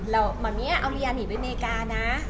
เหมือนเงี้ยเอาเรียนหนีไปอเมริกานะ